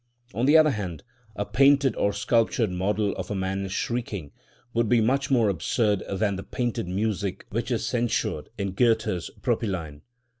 On the other hand, a painted or sculptured model of a man shrieking, would be much more absurd than the painted music which is censured in Goethe's Propylaen.